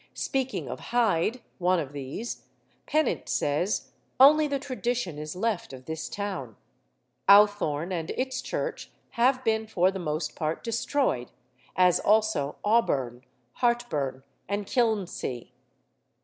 Speaking of Hyde (one of these), Pennant says: 'Only the tradition is left of this town.' Owthorne and its church have been for the most part destroyed, as also Auburn, Hartburn, and Kilnsea.